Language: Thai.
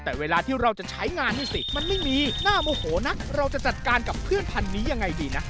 แต่เวลาที่เราจะใช้งานนี่สิมันไม่มีน่าโมโหนะเราจะจัดการกับเพื่อนพันธุ์นี้ยังไงดีนะ